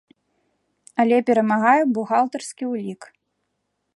Але перамагае бухгалтарскі ўлік.